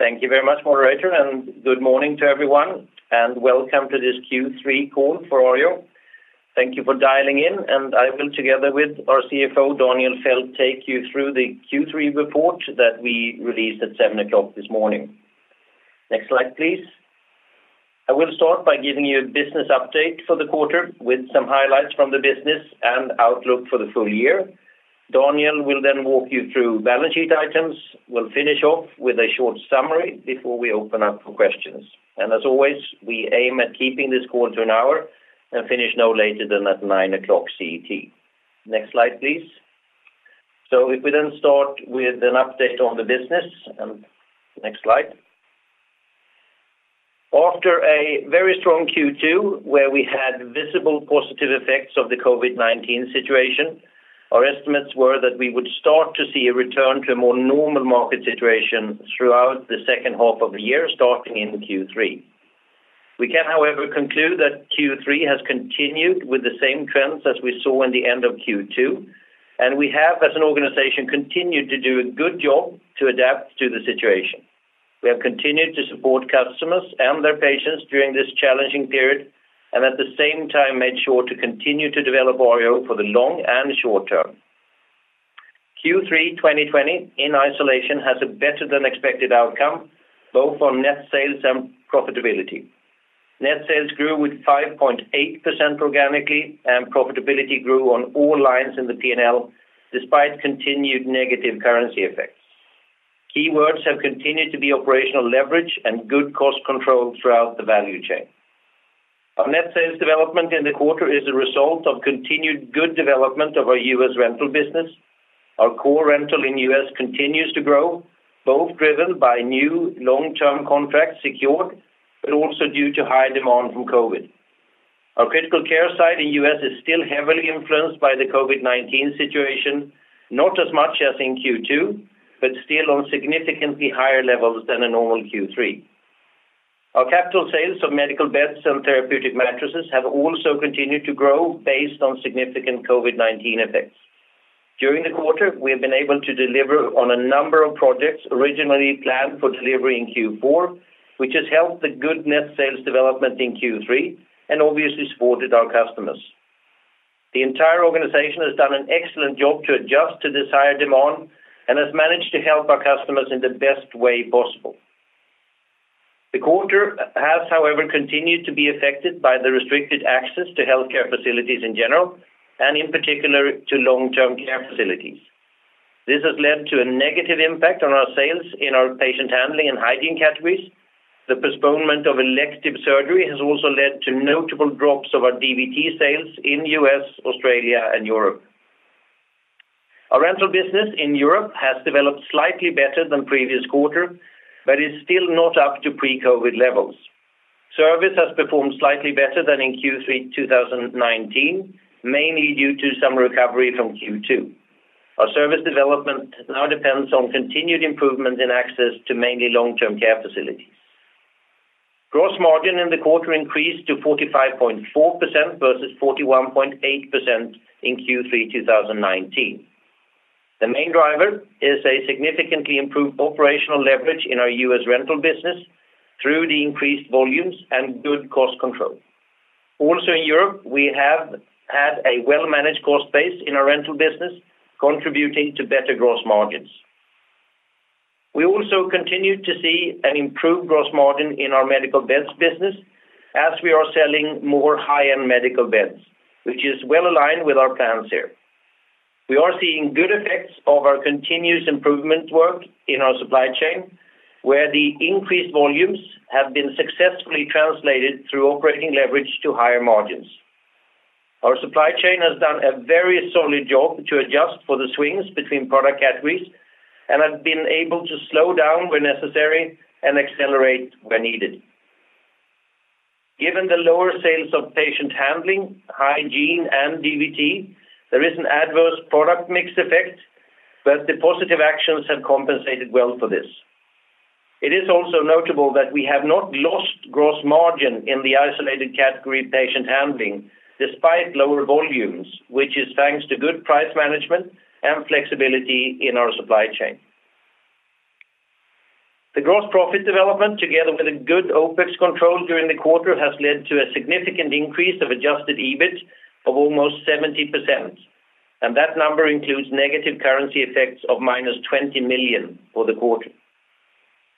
Thank you very much moderator, good morning to everyone, and welcome to this Q3 call for Arjo. Thank you for dialing in, I will together with our CFO, Daniel Fäldt, take you through the Q3 report that we released at 7:00 A.M. this morning. Next slide, please. I will start by giving you a business update for the quarter with some highlights from the business and outlook for the full year. Daniel will walk you through balance sheet items. We'll finish off with a short summary before we open up for questions. As always, we aim at keeping this call to an hour and finish no later than at 9:00 A.M. CET. Next slide, please. If we then start with an update on the business, and next slide. Next slide. After a very strong Q2 where we had visible positive effects of the COVID-19 situation, our estimates were that we would start to see a return to a more normal market situation throughout the second half of the year, starting in Q3. We can, however, conclude that Q3 has continued with the same trends as we saw in the end of Q2, and we have, as an organization, continued to do a good job to adapt to the situation. We have continued to support customers and their patients during this challenging period, and at the same time, made sure to continue to develop Arjo for the long and short term. Q3 2020 in isolation has a better than expected outcome, both on net sales and profitability. Net sales grew with 5.8% organically, and profitability grew on all lines in the P&L despite continued negative currency effects. Keywords have continued to be operational leverage and good cost control throughout the value chain. Our net sales development in the quarter is a result of continued good development of our U.S. rental business. Our core rental in U.S. continues to grow, both driven by new long-term contracts secured, but also due to high demand from COVID-19. Our critical care side in U.S. is still heavily influenced by the COVID-19 situation, not as much as in Q2, but still on significantly higher levels than a normal Q3. Our capital sales of medical beds and therapeutic mattresses have also continued to grow based on significant COVID-19 effects. During the quarter, we have been able to deliver on a number of projects originally planned for delivery in Q4, which has helped the good net sales development in Q3 and obviously supported our customers. The entire organization has done an excellent job to adjust to this higher demand and has managed to help our customers in the best way possible. The quarter has, however, continued to be affected by the restricted access to healthcare facilities in general, and in particular to long-term care facilities. This has led to a negative impact on our sales in our patient handling and hygiene categories. The postponement of elective surgery has also led to notable drops of our DVT sales in U.S., Australia and Europe. Our rental business in Europe has developed slightly better than previous quarter, but is still not up to pre-COVID-19 levels. Service has performed slightly better than in Q3 2019, mainly due to some recovery from Q2. Our service development now depends on continued improvement in access to mainly long-term care facilities. Gross margin in the quarter increased to 45.4% versus 41.8% in Q3 2019. The main driver is a significantly improved operational leverage in our U.S. rental business through the increased volumes and good cost control. In Europe, we have had a well-managed cost base in our rental business, contributing to better gross margins. We continue to see an improved gross margin in our medical beds business as we are selling more high-end medical beds, which is well aligned with our plans here. We are seeing good effects of our continuous improvement work in our supply chain, where the increased volumes have been successfully translated through operating leverage to higher margins. Our supply chain has done a very solid job to adjust for the swings between product categories and have been able to slow down where necessary and accelerate where needed. Given the lower sales of patient handling, hygiene, and DVT, there is an adverse product mix effect. The positive actions have compensated well for this. It is also notable that we have not lost gross margin in the isolated category patient handling despite lower volumes, which is thanks to good price management and flexibility in our supply chain. The gross profit development together with a good OPEX control during the quarter has led to a significant increase of adjusted EBIT of almost 70%. That number includes negative currency effects of minus 20 million for the quarter.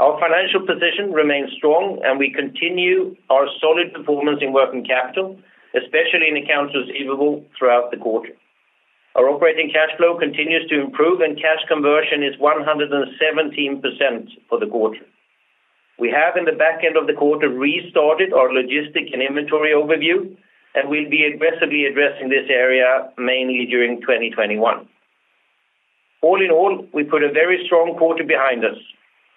Our financial position remains strong. We continue our solid performance in working capital, especially in accounts receivable throughout the quarter. Our operating cash flow continues to improve. Cash conversion is 117% for the quarter. We have in the back end of the quarter restarted our logistics and inventory overview. We'll be aggressively addressing this area mainly during 2021. All in all, we put a very strong quarter behind us.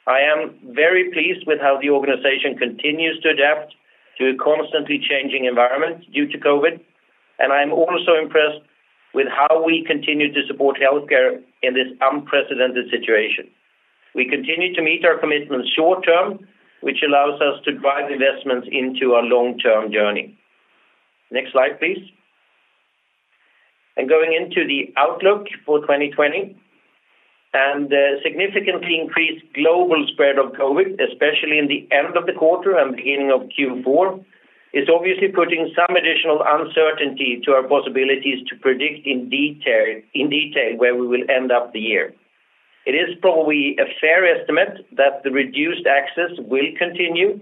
I am very pleased with how the organization continues to adapt to a constantly changing environment due to COVID-19. I'm also impressed with how we continue to support healthcare in this unprecedented situation. We continue to meet our commitments short term, which allows us to drive investments into our long-term journey. Next slide, please. Going into the outlook for 2020. The significantly increased global spread of COVID-19, especially in the end of the quarter and beginning of Q4, is obviously putting some additional uncertainty to our possibilities to predict in detail where we will end up the year. It is probably a fair estimate that the reduced access will continue,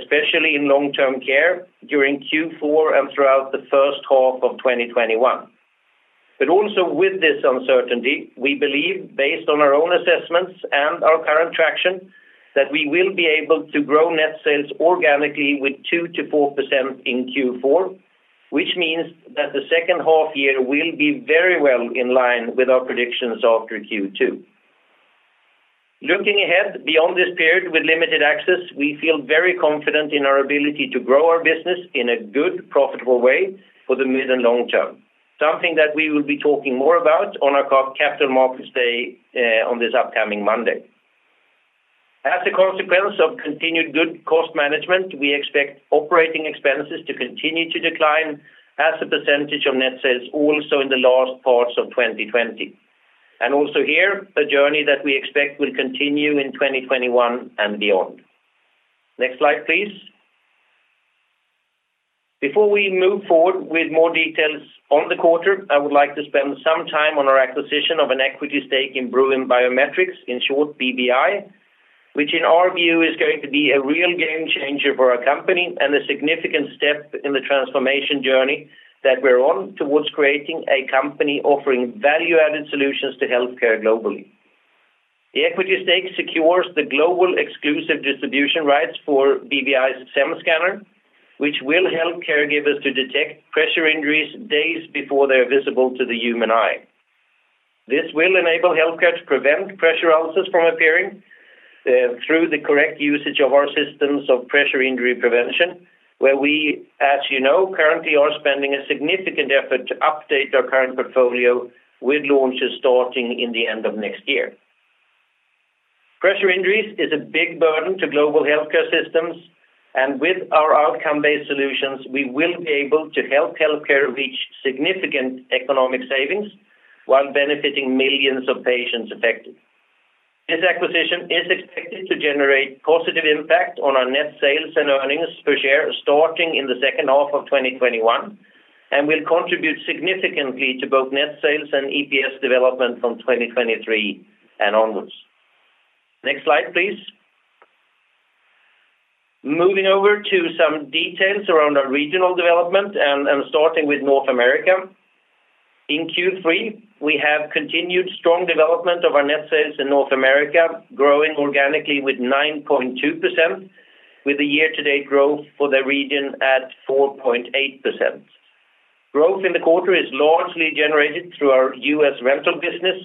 especially in long-term care during Q4 and throughout the first half of 2021. Also with this uncertainty, we believe, based on our own assessments and our current traction, that we will be able to grow net sales organically with 2%-4% in Q4, which means that the second half year will be very well in line with our predictions after Q2. Looking ahead beyond this period with limited access, we feel very confident in our ability to grow our business in a good, profitable way for the mid and long term, something that we will be talking more about on our Capital Markets Roadshow on this upcoming Monday. As a consequence of continued good cost management, we expect operating expenses to continue to decline as a percentage of net sales also in the last parts of 2020. Also here, the journey that we expect will continue in 2021 and beyond. Next slide, please. Before we move forward with more details on the quarter, I would like to spend some time on our acquisition of an equity stake in Bruin Biometrics, in short, BBI. Which in our view is going to be a real game changer for our company and a significant step in the transformation journey that we're on towards creating a company offering value-added solutions to healthcare globally. The equity stake secures the global exclusive distribution rights for BBI's SEM Scanner, which will help caregivers to detect pressure injuries days before they're visible to the human eye. This will enable healthcare to prevent pressure ulcers from appearing through the correct usage of our systems of pressure injury prevention, where we, as you know, currently are spending a significant effort to update our current portfolio with launches starting in the end of next year. Pressure injuries is a big burden to global healthcare systems, and with our outcome-based solutions, we will be able to help healthcare reach significant economic savings while benefiting millions of patients affected. This acquisition is expected to generate positive impact on our net sales and earnings per share starting in the second half of 2021 and will contribute significantly to both net sales and EPS development from 2023 and onwards. Next slide, please. Moving over to some details around our regional development and starting with North America. In Q3, we have continued strong development of our net sales in North America, growing organically with 9.2%, with the year-to-date growth for the region at 4.8%. Growth in the quarter is largely generated through our U.S. rental business,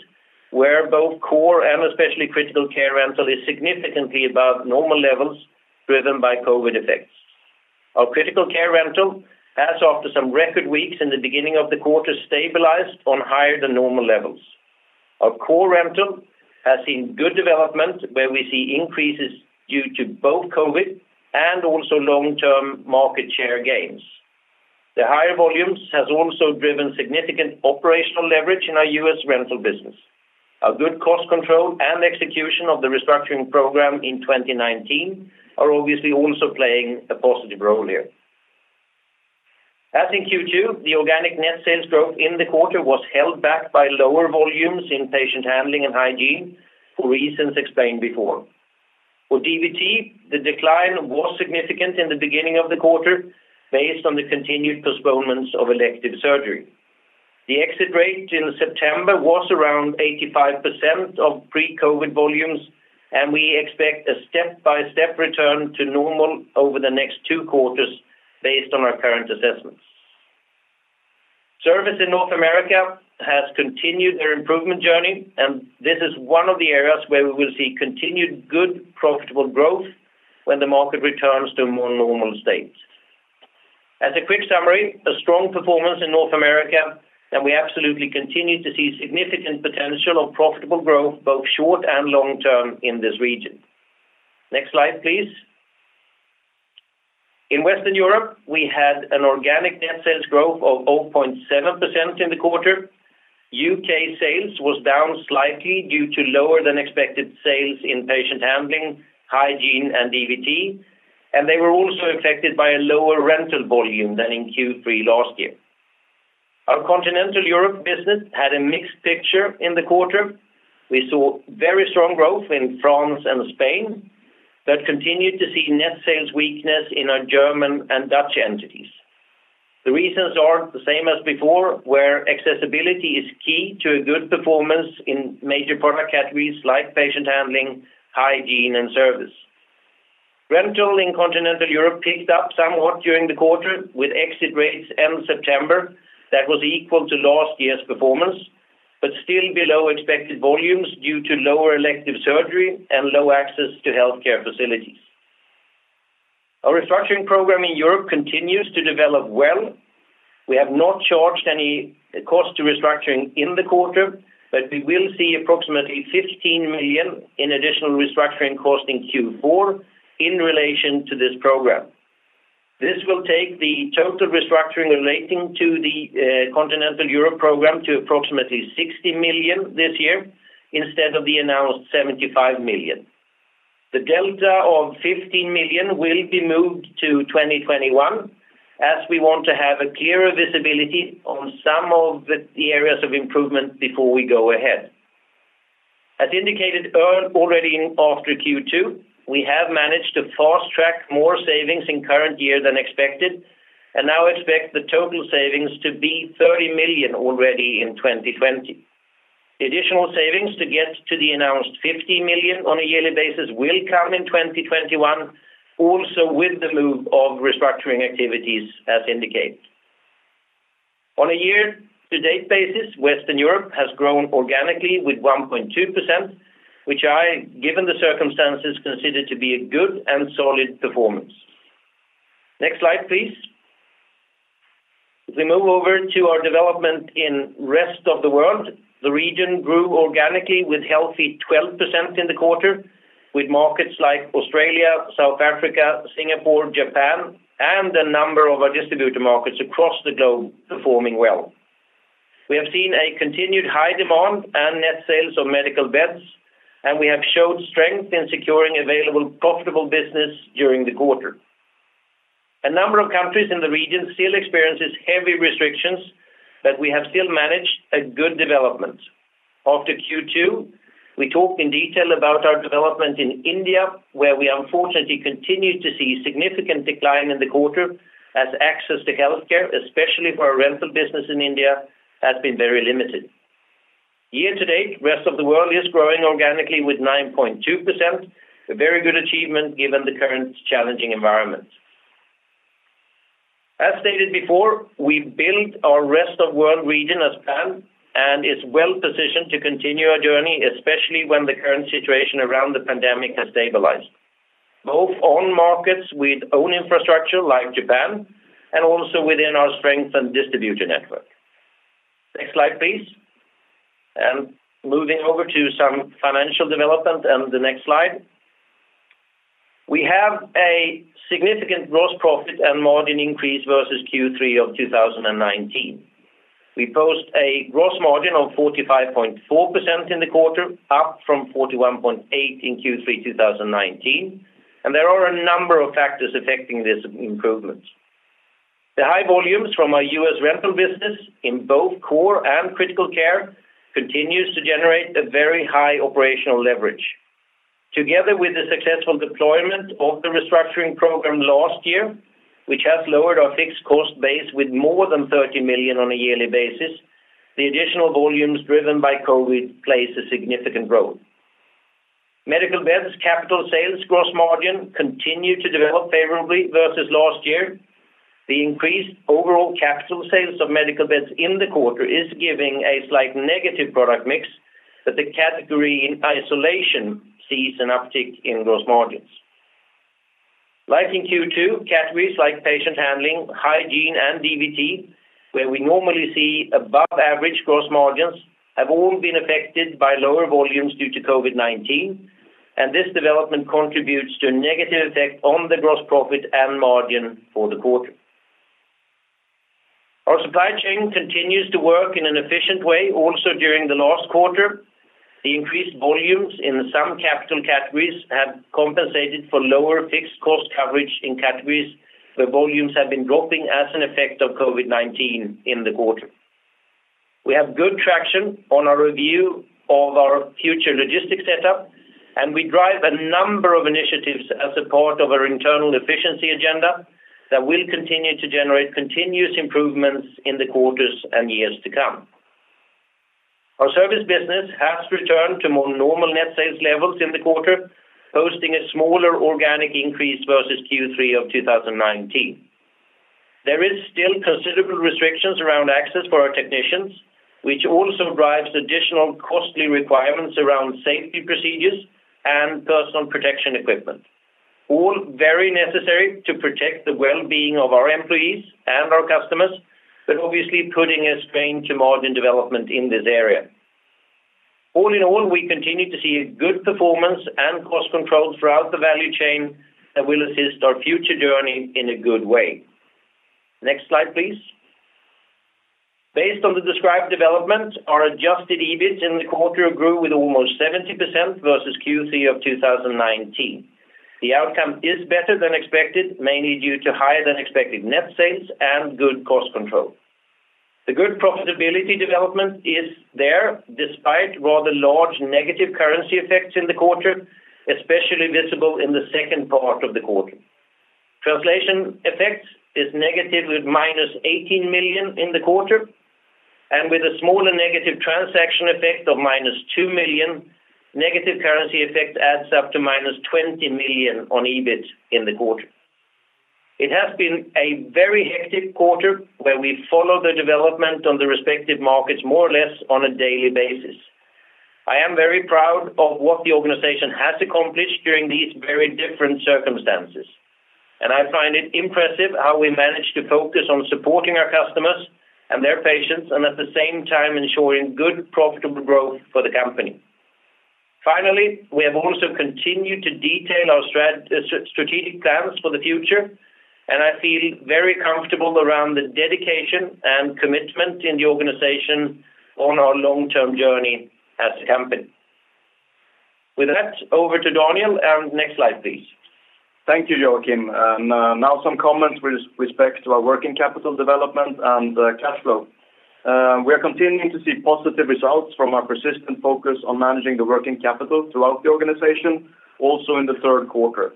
where both core and especially critical care rental is significantly above normal levels, driven by COVID effects. Our critical care rental, as after some record weeks in the beginning of the quarter, stabilized on higher than normal levels. Our core rental has seen good development where we see increases due to both COVID and also long-term market share gains. The higher volumes has also driven significant operational leverage in our U.S. rental business. Our good cost control and execution of the restructuring program in 2019 are obviously also playing a positive role here. As in Q2, the organic net sales growth in the quarter was held back by lower volumes in patient handling and hygiene for reasons explained before. For DVT, the decline was significant in the beginning of the quarter, based on the continued postponements of elective surgery. The exit rate in September was around 85% of pre-COVID volumes. We expect a step-by-step return to normal over the next two quarters based on our current assessments. Service in North America has continued their improvement journey. This is one of the areas where we will see continued good, profitable growth when the market returns to a more normal state. As a quick summary, a strong performance in North America. We absolutely continue to see significant potential of profitable growth, both short and long-term in this region. Next slide, please. In Western Europe, we had an organic net sales growth of 0.7% in the quarter. U.K. sales was down slightly due to lower than expected sales in patient handling, hygiene, and DVT. They were also affected by a lower rental volume than in Q3 last year. Our Continental Europe business had a mixed picture in the quarter. We saw very strong growth in France and Spain. Continued to see net sales weakness in our German and Dutch entities. The reasons are the same as before, where accessibility is key to a good performance in major product categories like patient handling, hygiene, and service. Rental in Continental Europe picked up somewhat during the quarter with exit rates end September that was equal to last year's performance. Still below expected volumes due to lower elective surgery and low access to healthcare facilities. Our restructuring program in Europe continues to develop well. We have not charged any cost to restructuring in the quarter, but we will see approximately 50 million in additional restructuring cost in Q4 in relation to this program. This will take the total restructuring relating to the Continental Europe program to approximately 60 million this year instead of the announced 75 million. The delta of 15 million will be moved to 2021, as we want to have a clearer visibility on some of the areas of improvement before we go ahead. As indicated already after Q2, we have managed to fast track more savings in current year than expected, and now expect the total savings to be 30 million already in 2020. Additional savings to get to the announced million on a yearly basis will come in 2021, also with the move of restructuring activities, as indicated. On a year to date basis, Western Europe has grown organically with 1.2%, which I, given the circumstances, consider to be a good and solid performance. Next slide, please. We move over to our development in rest of the world. The region grew organically with healthy 12% in the quarter, with markets like Australia, South Africa, Singapore, Japan, and a number of our distributor markets across the globe performing well. We have seen a continued high demand and net sales of medical beds, and we have showed strength in securing available profitable business during the quarter. A number of countries in the region still experiences heavy restrictions, but we have still managed a good development. After Q2, we talked in detail about our development in India, where we unfortunately continued to see significant decline in the quarter as access to healthcare, especially for our rental business in India, has been very limited. Year to date, rest of the world is growing organically with 9.2%, a very good achievement given the current challenging environment. As stated before, we built our rest of world region as planned, and it's well-positioned to continue our journey, especially when the current situation around the pandemic has stabilized. Both on markets with own infrastructure like Japan, and also within our strength and distributor network. Next slide, please. Moving over to some financial development on the next slide. We have a significant gross profit and margin increase versus Q3 of 2019. We post a gross margin of 45.4% in the quarter, up from 41.8% in Q3 2019. There are a number of factors affecting this improvement. The high volumes from our U.S. rental business in both core and critical care continues to generate a very high operational leverage. Together with the successful deployment of the restructuring program last year, which has lowered our fixed cost base with more than 30 million on a yearly basis, the additional volumes driven by COVID-19 plays a significant role. medical beds capital sales gross margin continue to develop favorably versus last year. The increased overall capital sales of medical beds in the quarter is giving a slight negative product mix. The category in isolation sees an uptick in gross margins. Like in Q2, categories like patient handling, hygiene, and DVT, where we normally see above average gross margins, have all been affected by lower volumes due to COVID-19, and this development contributes to a negative effect on the gross profit and margin for the quarter. Our supply chain continues to work in an efficient way, also during the last quarter. The increased volumes in some capital categories have compensated for lower fixed cost coverage in categories where volumes have been dropping as an effect of COVID-19 in the quarter. We have good traction on our review of our future logistics setup, and we drive a number of initiatives as a part of our internal efficiency agenda that will continue to generate continuous improvements in the quarters and years to come. Our service business has returned to more normal net sales levels in the quarter, posting a smaller organic increase versus Q3 of 2019. There is still considerable restrictions around access for our technicians, which also drives additional costly requirements around safety procedures and personal protection equipment. All very necessary to protect the well-being of our employees and our customers, but obviously putting a strain to margin development in this area. All in all, we continue to see a good performance and cost controls throughout the value chain that will assist our future journey in a good way. Next slide, please. Based on the described development, our adjusted EBIT in the quarter grew with almost 70% versus Q3 of 2019. The outcome is better than expected, mainly due to higher than expected net sales and good cost control. The good profitability development is there, despite rather large negative currency effects in the quarter, especially visible in the second part of the quarter. Translation effect is negative with minus 18 million in the quarter, and with a smaller negative transaction effect of minus 2 million, negative currency effect adds up to minus 20 million on EBIT in the quarter. It has been a very hectic quarter where we follow the development on the respective markets more or less on a daily basis. I am very proud of what the organization has accomplished during these very different circumstances, and I find it impressive how we managed to focus on supporting our customers and their patients, and at the same time ensuring good profitable growth for the company. Finally, we have also continued to detail our strategic plans for the future, and I feel very comfortable around the dedication and commitment in the organization on our long-term journey as a company. With that, over to Daniel, and next slide, please. Thank you, Joacim. Now some comments with respect to our working capital development and cash flow. We are continuing to see positive results from our persistent focus on managing the working capital throughout the organization, also in the third quarter.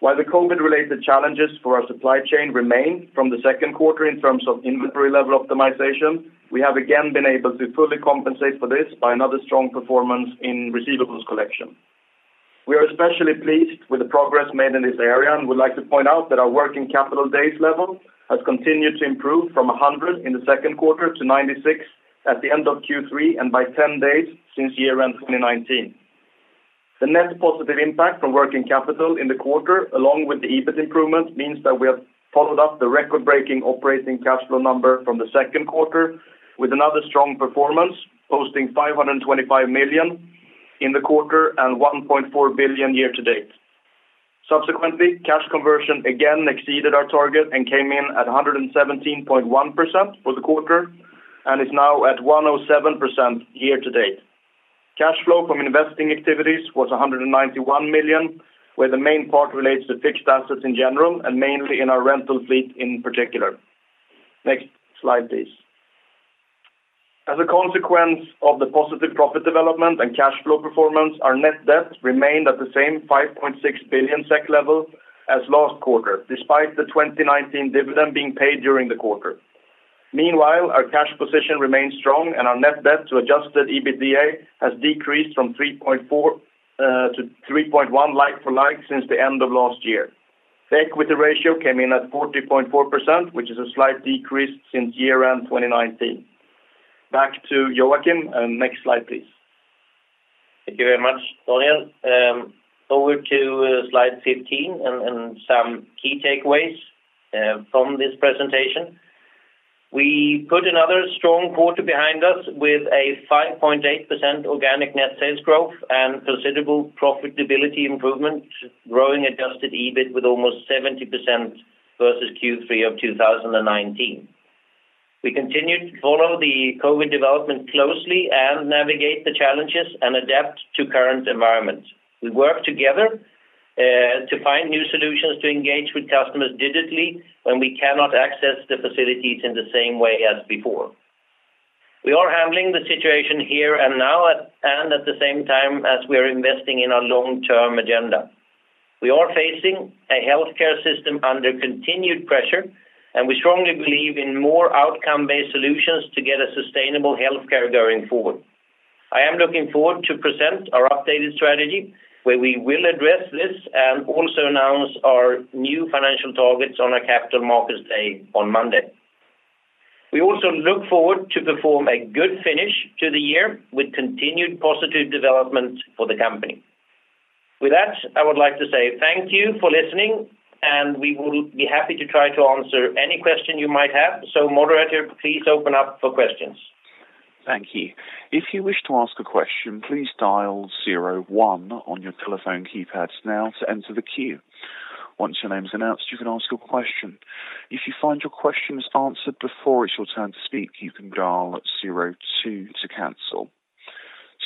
While the COVID related challenges for our supply chain remain from the second quarter in terms of inventory level optimization, we have again been able to fully compensate for this by another strong performance in receivables collection. We are especially pleased with the progress made in this area and would like to point out that our working capital days level has continued to improve from 100 in the second quarter to 96 at the end of Q3 and by 10 days since year-end 2019. The net positive impact from working capital in the quarter along with the EBIT improvement means that we have followed up the record-breaking operating cash flow number from the second quarter with another strong performance, posting 525 million in the quarter and 1.4 billion year to date. Subsequently, cash conversion again exceeded our target and came in at 117.1% for the quarter and is now at 107% year to date. Cash flow from investing activities was 191 million, where the main part relates to fixed assets in general and mainly in our rental fleet in particular. Next slide, please. As a consequence of the positive profit development and cash flow performance, our net debt remained at the same 5.6 billion SEK level as last quarter, despite the 2019 dividend being paid during the quarter. Meanwhile, our cash position remains strong and our net debt to adjusted EBITDA has decreased from 3.4 to 3.1 like for like since the end of last year. Equity ratio came in at 40.4%, which is a slight decrease since year-end 2019. Back to Joacim. Next slide, please. Thank you very much, Daniel. Over to slide 15 and some key takeaways from this presentation. We put another strong quarter behind us with a 5.8% organic net sales growth and considerable profitability improvement, growing adjusted EBIT with almost 70% versus Q3 of 2019. We continued to follow the COVID-19 development closely and navigate the challenges and adapt to current environments. We work together to find new solutions to engage with customers digitally when we cannot access the facilities in the same way as before. We are handling the situation here and now and at the same time as we are investing in our long-term agenda. We are facing a healthcare system under continued pressure. We strongly believe in more outcome-based solutions to get a sustainable healthcare going forward. I am looking forward to present our updated strategy, where we will address this and also announce our new financial targets on our Capital Markets Day on Monday. We also look forward to perform a good finish to the year with continued positive development for the company. With that, I would like to say thank you for listening, and we will be happy to try to answer any question you might have. Moderator, please open up for questions. Thank you. If you wish to ask a question, please dial 01 on your telephone keypads now to enter the queue. Once your name is announced, you can ask your question. If you find your question is answered before it's your turn to speak, you can dial 02 to cancel.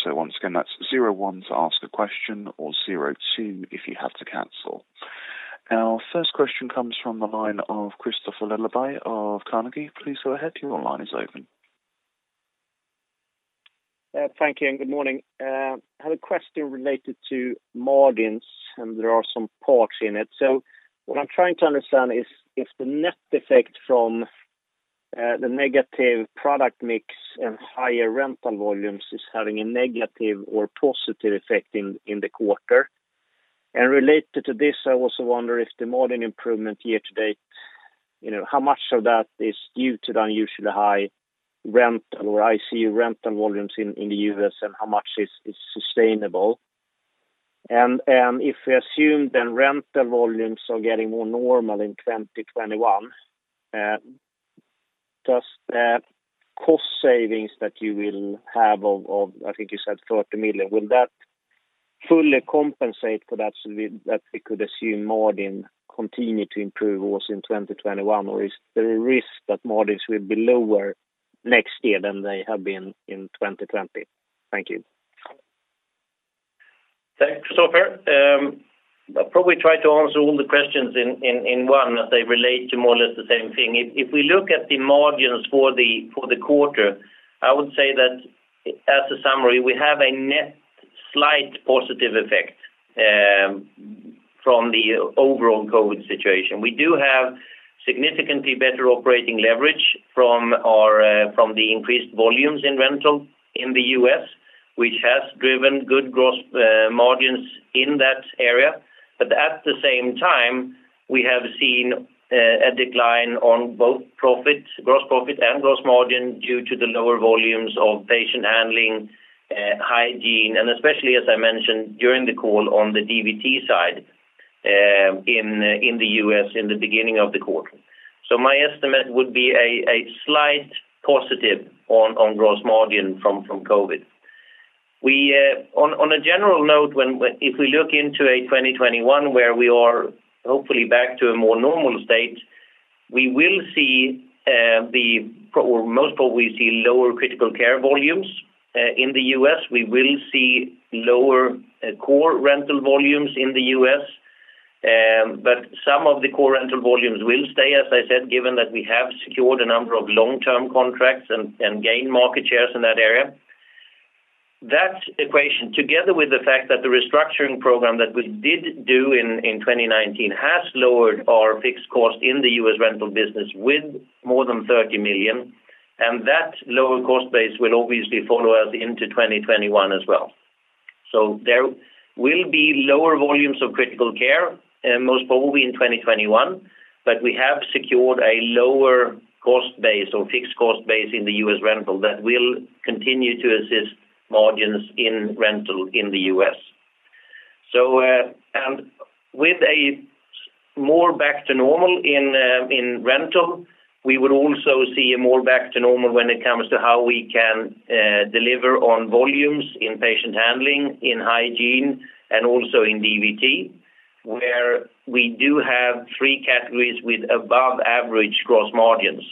Once again, that's 01 to ask a question or 02 if you have to cancel. Our first question comes from the line of Kristofer Liljeberg of Carnegie. Please go ahead, your line is open. Thank you and good morning. I had a question related to margins. There are some parts in it. What I'm trying to understand is if the net effect from the negative product mix and higher rental volumes is having a negative or positive effect in the quarter. Related to this, I also wonder if the margin improvement year to date, how much of that is due to the unusually high rental or ICU rental volumes in the U.S. and how much is sustainable? If we assume then rental volumes are getting more normal in 2021, does that cost savings that you will have of, I think you said 30 million, will that fully compensate so that we could assume margin continue to improve also in 2021? Is there a risk that margins will be lower next year than they have been in 2020? Thank you. Thanks, Kristofer. I'll probably try to answer all the questions in one as they relate to more or less the same thing. If we look at the margins for the quarter, I would say that as a summary, we have a net slight positive effect from the overall COVID-19 situation. We do have significantly better operating leverage from the increased volumes in rental in the U.S., which has driven good gross margins in that area. At the same time, we have seen a decline on both profit, gross profit, and gross margin due to the lower volumes of patient handling, hygiene, and especially, as I mentioned during the call, on the DVT side in the U.S. in the beginning of the quarter. My estimate would be a slight positive on gross margin from COVID-19. On a general note, if we look into a 2021 where we are hopefully back to a more normal state, we will most probably see lower critical care volumes in the U.S. We will see lower core rental volumes in the U.S., but some of the core rental volumes will stay, as I said, given that we have secured a number of long-term contracts and gained market shares in that area. That equation, together with the fact that the restructuring program that we did do in 2019 has lowered our fixed cost in the U.S. rental business with more than 30 million, and that lower cost base will obviously follow us into 2021 as well. There will be lower volumes of critical care, most probably in 2021, but we have secured a lower cost base or fixed cost base in the U.S. rental that will continue to assist margins in rental in the U.S. With a more back to normal in rental, we will also see a more back to normal when it comes to how we can deliver on volumes in patient handling, in hygiene, and also in DVT, where we do have three categories with above average gross margins.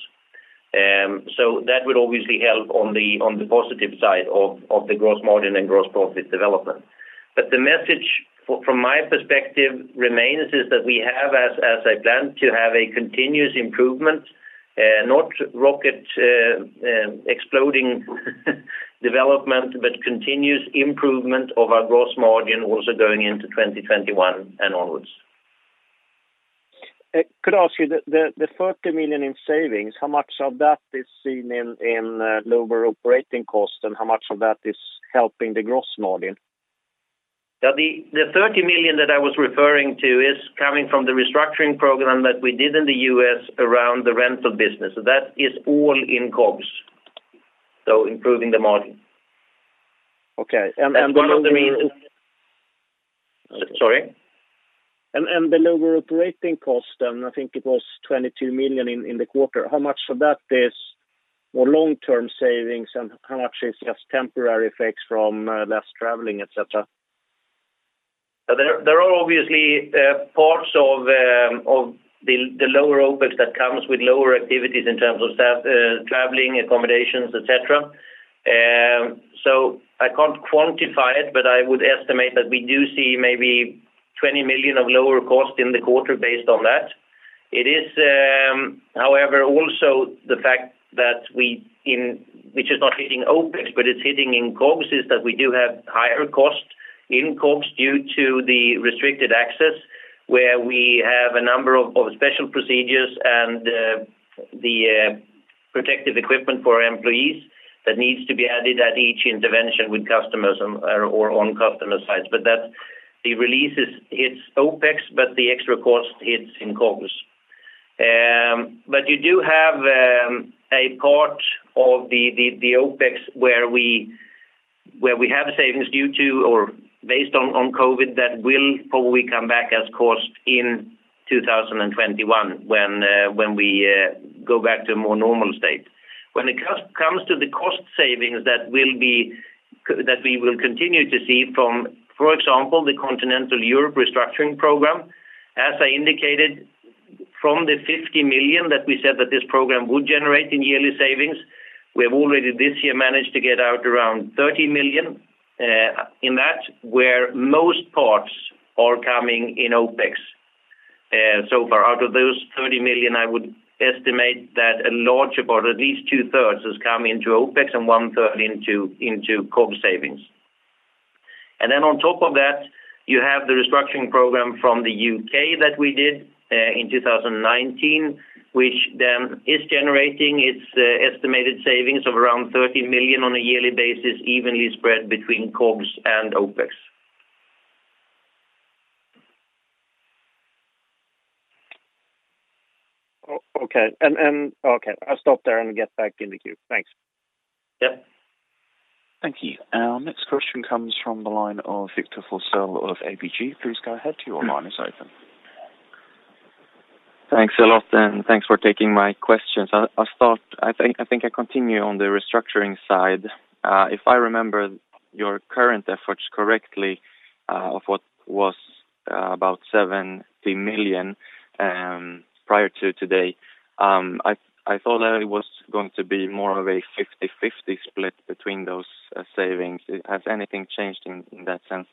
That will obviously help on the positive side of the gross margin and gross profit development. The message from my perspective remains is that we have, as I planned, to have a continuous improvement, not rocket exploding development, but continuous improvement of our gross margin also going into 2021 and onwards. Could I ask you, the 30 million in savings, how much of that is seen in lower operating costs and how much of that is helping the gross margin? The 30 million that I was referring to is coming from the restructuring program that we did in the U.S. around the rental business. That is all in COGS. Improving the margin. Okay. Sorry? The lower operating cost, and I think it was 22 million in the quarter, how much of that is more long-term savings and how much is just temporary effects from less traveling, et cetera? There are obviously parts of the lower OPEX that comes with lower activities in terms of staff, traveling, accommodations, et cetera. I can't quantify it, but I would estimate that we do see maybe 20 million of lower cost in the quarter based on that. It is, however, also the fact that, which is not hitting OPEX, but it's hitting in COGS, is that we do have higher cost in COGS due to the restricted access, where we have a number of special procedures and the protective equipment for our employees that needs to be added at each intervention with customers or on customer sites. The release hits OPEX, but the extra cost hits in COGS. You do have a part of the OPEX where we have a savings due to or based on COVID that will probably come back as cost in 2021 when we go back to a more normal state. When it comes to the cost savings that we will continue to see from, for example, the Continental Europe restructuring program, as I indicated, from the 50 million that we said that this program would generate in yearly savings, we have already this year managed to get out around 30 million in that, where most parts are coming in OPEX. Far out of those 30 million, I would estimate that a large part, at least two-thirds, has come into OPEX and one-third into COGS savings. On top of that, you have the restructuring program from the U.K. that we did in 2019, which then is generating its estimated savings of around 30 million on a yearly basis, evenly spread between COGS and OPEX. Okay. I'll stop there and get back in the queue. Thanks. Yep. Thank you. Our next question comes from the line of Victor Forssell of ABG. Please go ahead, your line is open. Thanks a lot. Thanks for taking my questions. I think I continue on the restructuring side. If I remember your current efforts correctly, of what was about 70 million prior to today, I thought that it was going to be more of a 50/50 split between those savings. Has anything changed in that sense?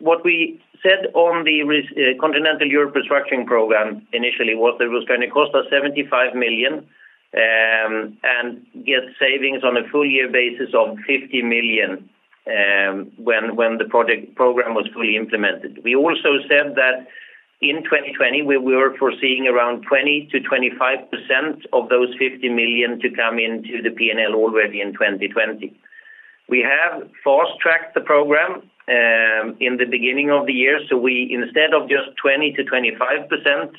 What we said on the Continental Europe Restructuring Program initially was that it was going to cost us 75 million, and get savings on a full year basis of 50 million, when the program was fully implemented. We also said that in 2020, we were foreseeing around 20%-25% of those 50 million to come into the P&L already in 2020. We have fast-tracked the program in the beginning of the year, so we instead 20%-25%,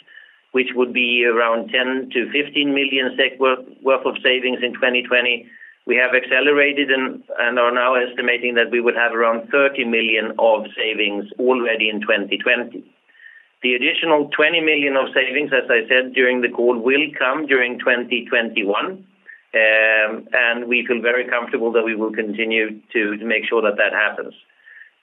which would be around 10 million-15 million SEK worth of savings in 2020. We have accelerated and are now estimating that we would have around 30 million of savings already in 2020. The additional 20 million of savings, as I said during the call, will come during 2021, and we feel very comfortable that we will continue to make sure that that happens.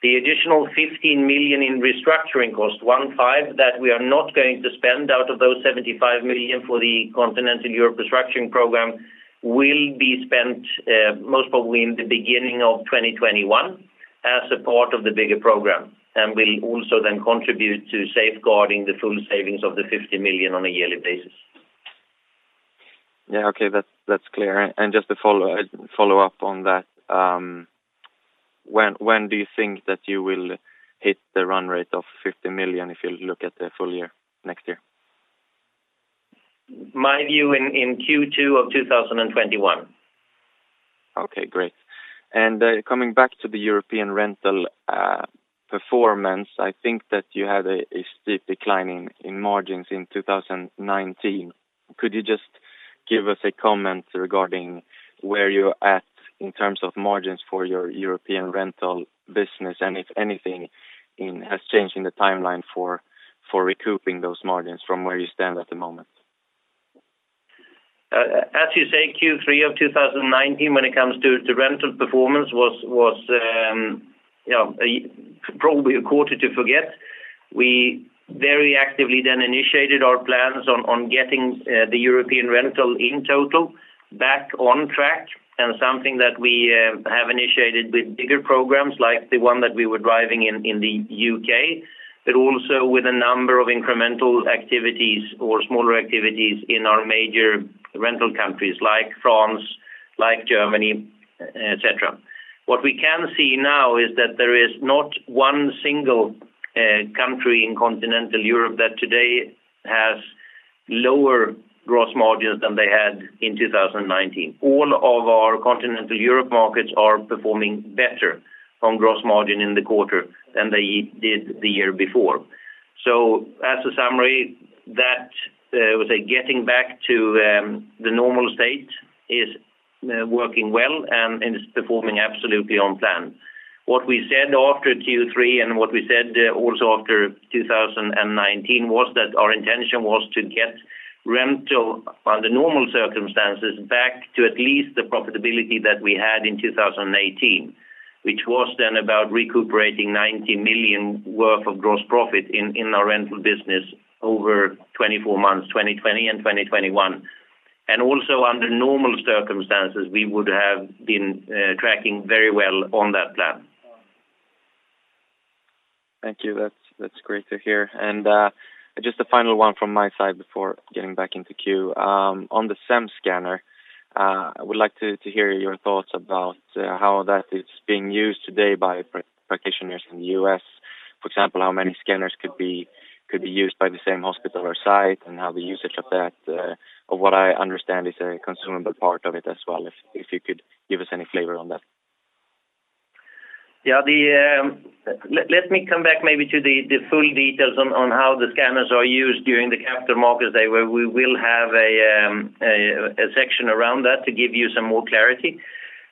The additional 15 million in restructuring cost, one, five, that we are not going to spend out of those 75 million for the Continental Europe restructuring program, will be spent most probably in the beginning of 2021 as a part of the bigger program. will also then contribute to safeguarding the full savings of the 50 million on a yearly basis. Yeah, okay. That's clear. Just to follow up on that, when do you think that you will hit the run rate of 50 million if you look at the full year next year? My view, in Q2 of 2021. Okay, great. Coming back to the European rental performance, I think that you had a steep decline in margins in 2019. Could you just give us a comment regarding where you're at in terms of margins for your European rental business and if anything has changed in the timeline for recouping those margins from where you stand at the moment? As you say, Q3 of 2019 when it comes to rental performance was probably a quarter to forget. We very actively then initiated our plans on getting the European rental in total back on track. Something that we have initiated with bigger programs like the one that we were driving in the U.K., but also with a number of incremental activities or smaller activities in our major rental countries like France, like Germany, et cetera. What we can see now is that there is not one single country in continental Europe that today has lower gross margins than they had in 2019. All of our continental Europe markets are performing better on gross margin in the quarter than they did the year before. As a summary, getting back to the normal state is working well and is performing absolutely on plan. What we said after Q3 and what we said also after 2019 was that our intention was to get rental under normal circumstances back to at least the profitability that we had in 2018, which was then about recuperating 90 million worth of gross profit in our rental business over 24 months, 2020 and 2021. Also under normal circumstances, we would have been tracking very well on that plan. Thank you. That's great to hear. Just the final one from my side before getting back into queue. On the SEM Scanner, I would like to hear your thoughts about how that is being used today by practitioners in the U.S. For example, how many scanners could be used by the same hospital or site and how the usage of that, or what I understand is a consumable part of it as well, if you could give us any flavor on that. Yeah. Let me come back maybe to the full details on how the scanners are used during the Capital Markets Day where we will have a section around that to give you some more clarity.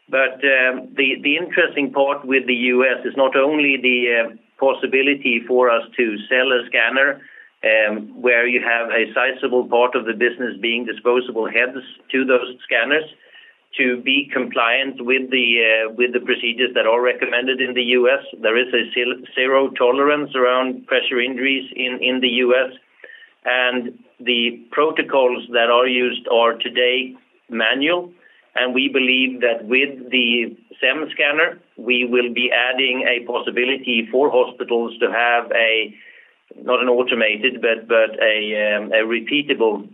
The interesting part with the U.S. is not only the possibility for us to sell a scanner, where you have a sizable part of the business being disposable heads to those scanners to be compliant with the procedures that are recommended in the U.S. There is a zero tolerance around pressure injuries in the U.S., and the protocols that are used are today manual. We believe that with the SEM Scanner, we will be adding a possibility for hospitals to have a, not an automated, but a repeatable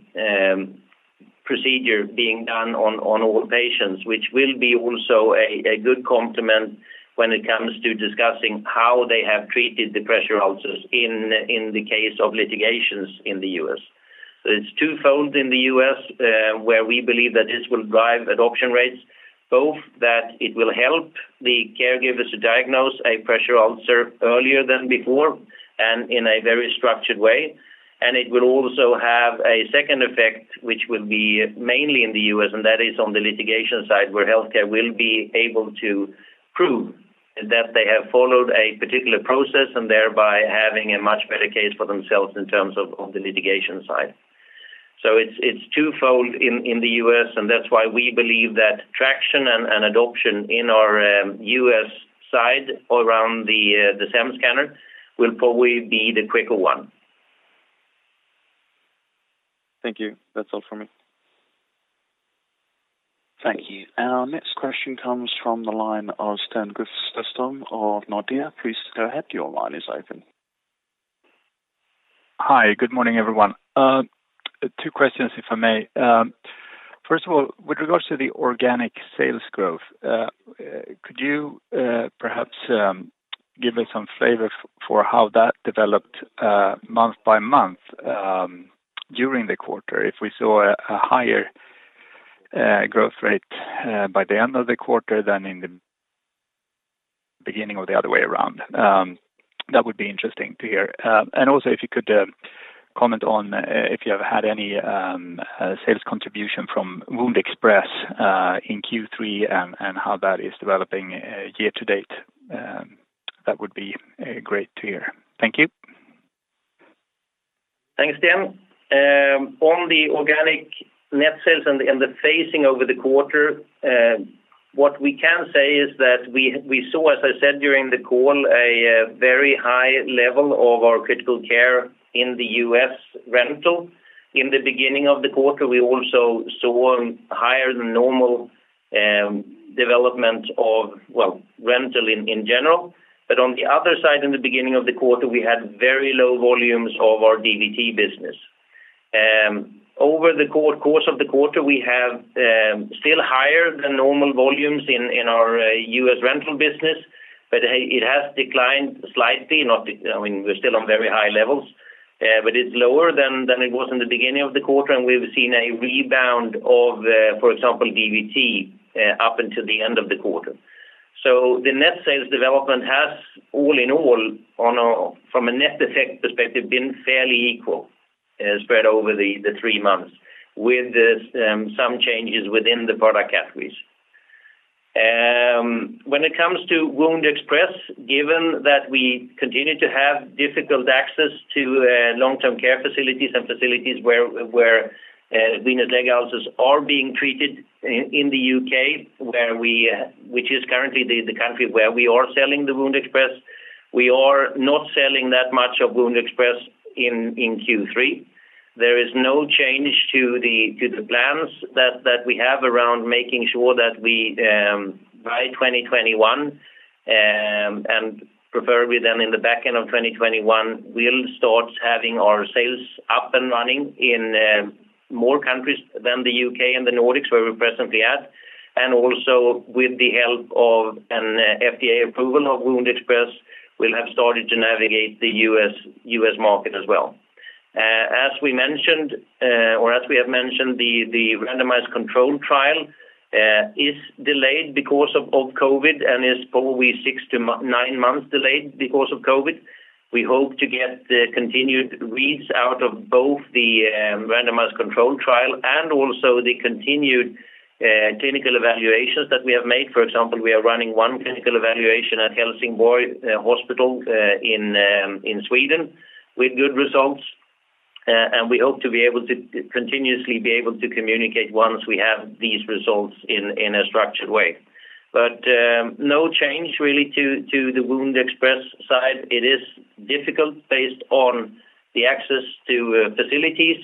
procedure being done on all patients, which will be also a good complement when it comes to discussing how they have treated the pressure ulcers in the case of litigations in the U.S. It's twofold in the U.S., where we believe that this will drive adoption rates, both that it will help the caregivers to diagnose a pressure ulcer earlier than before and in a very structured way. It will also have a second effect, which will be mainly in the U.S., and that is on the litigation side, where healthcare will be able to prove that they have followed a particular process and thereby having a much better case for themselves in terms of the litigation side. It's twofold in the U.S., and that's why we believe that traction and adoption in our U.S. side around the SEM Scanner will probably be the quicker one. Thank you. That's all from me. Thank you. Our next question comes from the line of Sten Gustafsson of Nordea. Please go ahead. Your line is open. Hi, good morning, everyone. Two questions if I may. First of all, with regards to the organic sales growth, could you perhaps give me some flavor for how that developed month by month during the quarter? If we saw a higher growth rate by the end of the quarter than in the. Beginning or the other way around. That would be interesting to hear. If you could comment on if you have had any sales contribution from WoundExpress in Q3 and how that is developing year to date. That would be great to hear. Thank you. Thanks, Sten. On the organic net sales and the phasing over the quarter, what we can say is that we saw, as I said during the call, a very high level of our critical care in the U.S. rental. In the beginning of the quarter, we also saw higher than normal development of rental in general. On the other side, in the beginning of the quarter, we had very low volumes of our DVT business. Over the course of the quarter, we have still higher than normal volumes in our U.S. rental business, but it has declined slightly. We're still on very high levels. It's lower than it was in the beginning of the quarter, and we've seen a rebound of, for example, DVT, up until the end of the quarter. The net sales development has, all in all, from a net effect perspective, been fairly equal spread over the three months, with some changes within the product categories. When it comes to WoundExpress, given that we continue to have difficult access to long-term care facilities and facilities where venous leg ulcers are being treated in the U.K., which is currently the country where we are selling the WoundExpress, we are not selling that much of WoundExpress in Q3. There is no change to the plans that we have around making sure that by 2021, and preferably then in the back end of 2021, we'll start having our sales up and running in more countries than the U.K. and the Nordics where we presently at. With the help of an FDA approval of WoundExpress, we'll have started to navigate the U.S. market as well. As we have mentioned, the randomized controlled trial is delayed because of COVID-19 and is probably six to nine months delayed because of COVID-19. We hope to get continued reads out of both the randomized controlled trial and also the continued clinical evaluations that we have made. For example, we are running one clinical evaluation at Helsingborg Hospital in Sweden with good results. We hope to continuously be able to communicate once we have these results in a structured way. No change really to the WoundExpress side. It is difficult based on the access to facilities.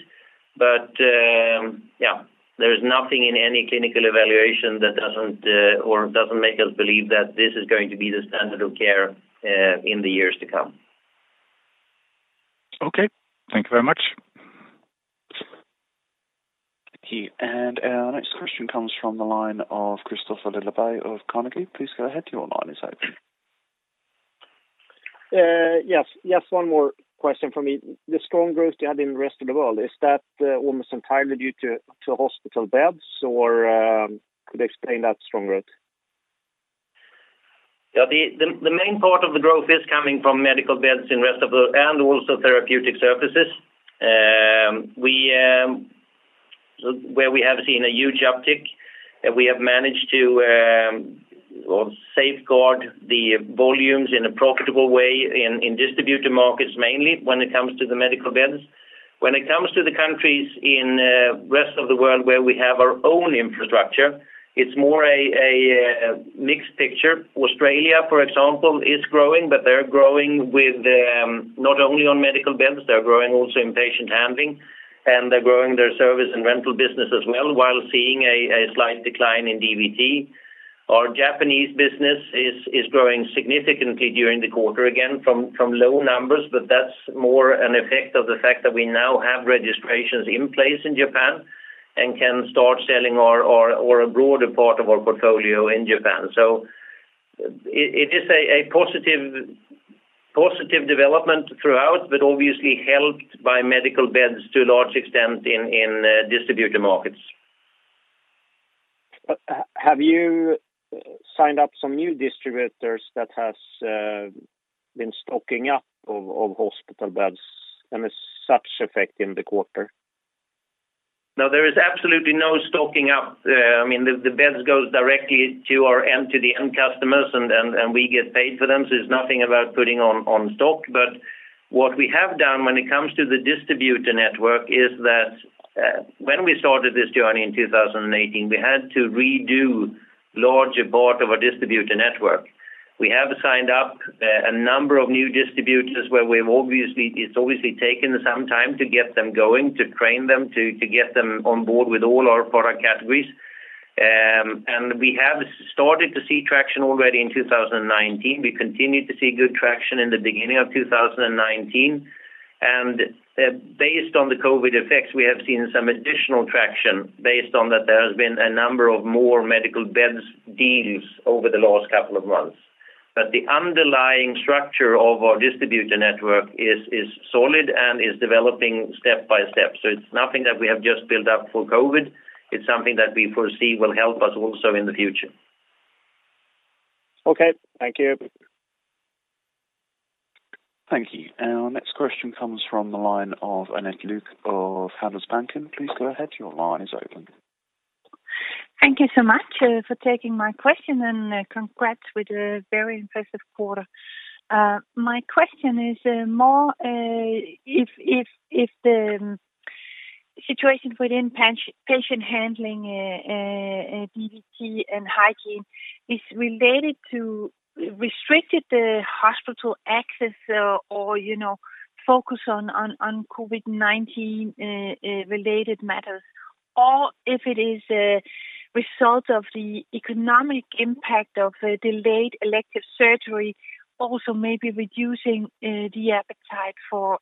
There is nothing in any clinical evaluation that doesn't make us believe that this is going to be the standard of care in the years to come. Okay. Thank you very much. Thank you. Our next question comes from the line of Kristofer Liljeberg of Carnegie. Please go ahead, your line is open. Yes. One more question for me. The strong growth you had in the rest of the world, is that almost entirely due to hospital beds, or could you explain that strong growth? The main part of the growth is coming from medical beds and also therapeutic surfaces where we have seen a huge uptick. We have managed to safeguard the volumes in a profitable way in distributor markets mainly when it comes to the medical beds. When it comes to the countries in rest of the world where we have our own infrastructure, it's more a mixed picture. Australia, for example, is growing, but they're growing not only on medical beds, they're growing also in patient handling, and they're growing their service and rental business as well while seeing a slight decline in DVT. Our Japanese business is growing significantly during the quarter, again, from low numbers, but that's more an effect of the fact that we now have registrations in place in Japan and can start selling a broader part of our portfolio in Japan. It is a positive development throughout, but obviously helped by medical beds to a large extent in distributor markets. Have you signed up some new distributors that has been stocking up of hospital beds and has such effect in the quarter? No, there is absolutely no stocking up. The beds goes directly to our end-to-end customers, and we get paid for them. It's nothing about putting on stock. What we have done when it comes to the distributor network is that when we started this journey in 2018, we had to redo large part of our distributor network. We have signed up a number of new distributors where it's obviously taken some time to get them going, to train them, to get them on board with all our product categories. We have started to see traction already in 2019. We continued to see good traction in the beginning of 2019. Based on the COVID-19 effects, we have seen some additional traction based on that there has been a number of more medical beds deals over the last couple of months. The underlying structure of our distributor network is solid and is developing step by step. It's nothing that we have just built up for COVID. It's something that we foresee will help us also in the future. Okay. Thank you. Thank you. Our next question comes from the line of Annette Lykke of Handelsbanken. Please go ahead. Your line is open. Thank you so much for taking my question, and congrats with a very impressive quarter. My question is more if the situation within patient handling, DVT, and hygiene is related to restricted hospital access or focus on COVID-19 related matters, or if it is a result of the economic impact of delayed elective surgery, also maybe reducing the appetite for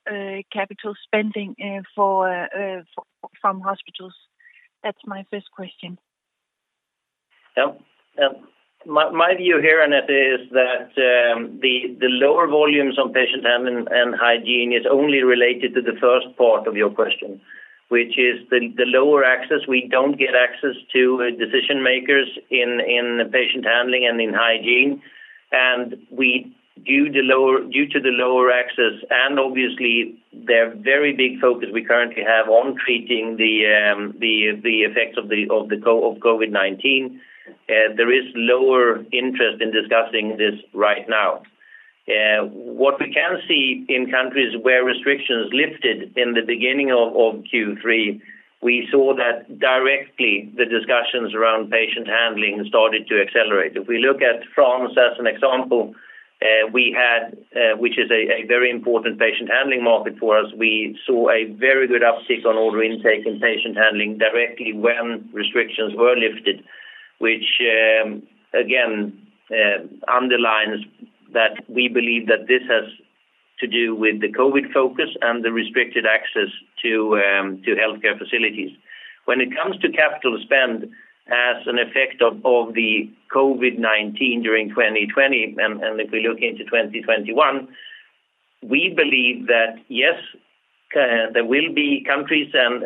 capital spending from hospitals. That's my first question. My view here, Annette, is that the lower volumes on patient handling and hygiene is only related to the first part of your question, which is the lower access. We don't get access to decision-makers in patient handling and in hygiene. Due to the lower access and obviously the very big focus we currently have on treating the effects of COVID-19, there is lower interest in discussing this right now. What we can see in countries where restrictions lifted in the beginning of Q3, we saw that directly the discussions around patient handling started to accelerate. If we look at France as an example, which is a very important patient handling market for us, we saw a very good uptick on order intake and patient handling directly when restrictions were lifted, which again, underlines that we believe that this has to do with the COVID focus and the restricted access to healthcare facilities. When it comes to capital spend as an effect of the COVID-19 during 2020, if we look into 2021, we believe that yes, there will be countries and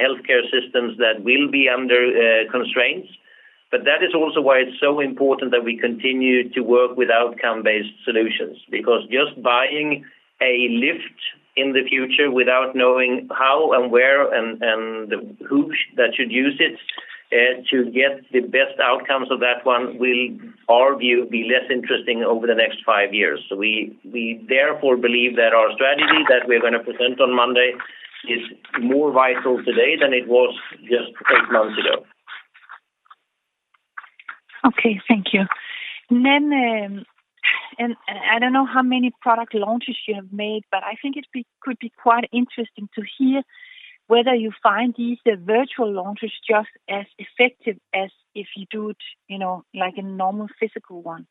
healthcare systems that will be under constraints, that is also why it's so important that we continue to work with outcome-based solutions. Just buying a lift in the future without knowing how and where and who should use it to get the best outcomes of that one will, our view, be less interesting over the next five years. We therefore believe that our strategy that we're going to present on Monday is more vital today than it was just eight months ago. Okay. Thank you. I don't know how many product launches you have made, but I think it could be quite interesting to hear whether you find these virtual launches just as effective as if you do it like a normal physical one.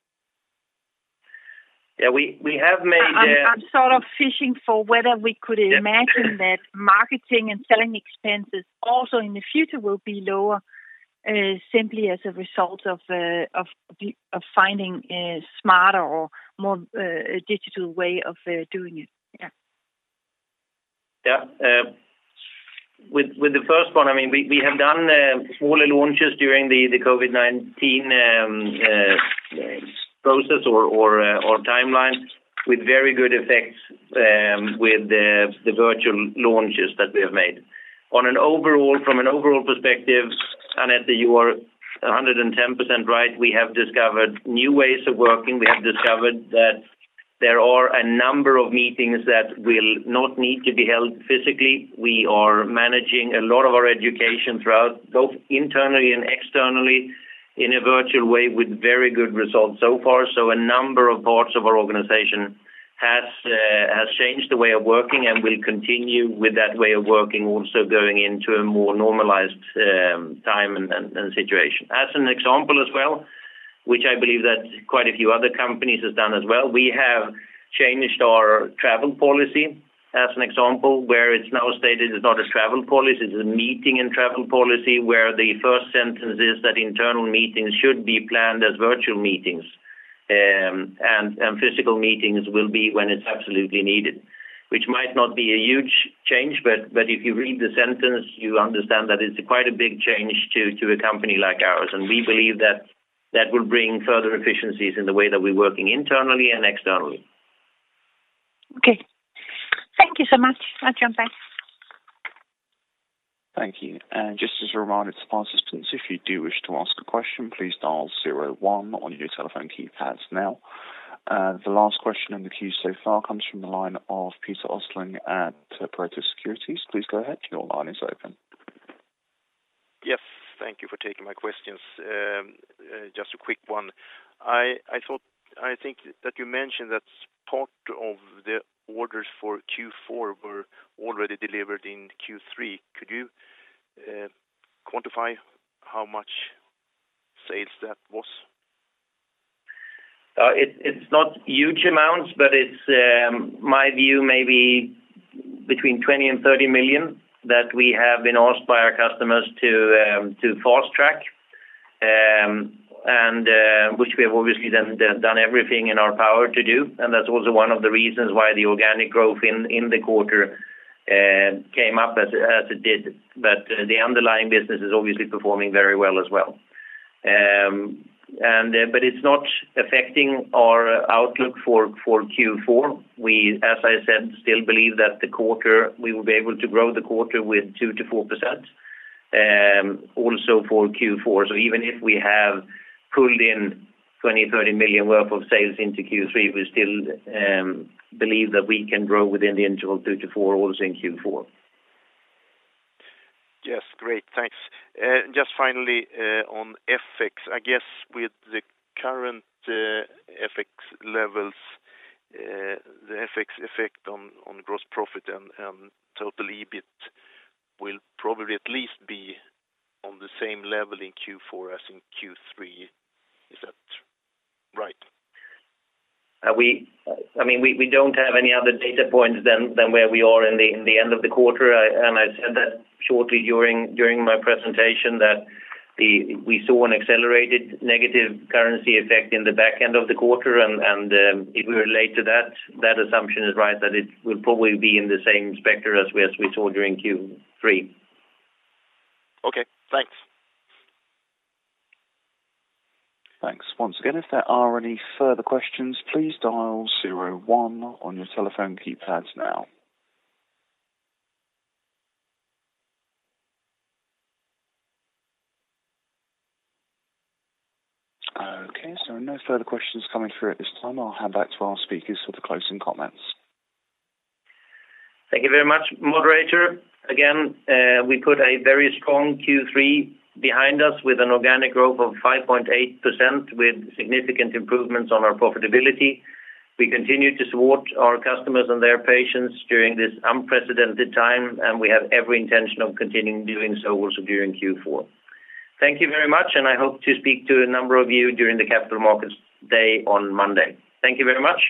Yeah, we have. I'm sort of fishing for whether we could imagine that marketing and selling expenses also in the future will be lower simply as a result of finding a smarter or more digital way of doing it. Yeah. Yeah. With the first one, we have done smaller launches during the COVID-19 process or timeline with very good effects with the virtual launches that we have made. From an overall perspective, Annette Lykke, you are 110% right. We have discovered new ways of working. We have discovered that there are a number of meetings that will not need to be held physically. We are managing a lot of our education throughout, both internally and externally, in a virtual way with very good results so far. A number of parts of our organization has changed the way of working and will continue with that way of working also going into a more normalized time and situation. As an example as well, which I believe that quite a few other companies have done as well, we have changed our travel policy, as an example, where it is now stated it is not a travel policy, it is a meeting and travel policy where the first sentence is that internal meetings should be planned as virtual meetings, and physical meetings will be when it is absolutely needed. Might not be a huge change, but if you read the sentence, you understand that it is quite a big change to a company like ours. We believe that will bring further efficiencies in the way that we are working internally and externally. Okay. Thank you so much. I'll jump back. Thank you. Just as a reminder to participants, if you do wish to ask a question, please dial zero one on your telephone keypads now. The last question in the queue so far comes from the line of Peter Östling at Pareto Securities. Please go ahead. Your line is open. Yes. Thank you for taking my questions. Just a quick one. I think that you mentioned that part of the orders for Q4 were already delivered in Q3. Could you quantify how much sales that was? It is not huge amounts, but it is my view maybe between 20 million and 30 million that we have been asked by our customers to fast track, and which we have obviously done everything in our power to do. That is also one of the reasons why the organic growth in the quarter came up as it did. The underlying business is obviously performing very well as well. It is not affecting our outlook for Q4. We, as I said, still believe that we will be able to grow the quarter with 2%-4% also for Q4. Even if we have pulled in 20 million, 30 million worth of sales into Q3, we still believe that we can grow within the interval 2%-4% also in Q4. Yes. Great. Thanks. Just finally, on FX. I guess with the current FX levels, the FX effect on gross profit and total EBIT will probably at least be on the same level in Q4 as in Q3. Is that right? We don't have any other data points than where we are in the end of the quarter. I said that shortly during my presentation, that we saw an accelerated negative currency effect in the back end of the quarter, and if we relate to that assumption is right, that it will probably be in the same spectrum as we saw during Q3. Okay, thanks. Thanks. Once again, if there are any further questions, please dial 01 on your telephone keypads now. Okay, no further questions coming through at this time. I'll hand back to our speakers for the closing comments. Thank you very much, moderator. We put a very strong Q3 behind us with an organic growth of 5.8% with significant improvements on our profitability. We continue to support our customers and their patients during this unprecedented time, and we have every intention of continuing doing so also during Q4. Thank you very much, and I hope to speak to a number of you during the Capital Markets Day on Monday. Thank you very much.